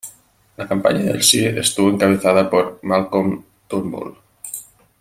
La campaña del "sí" estuvo encabezada por Malcolm Turnbull.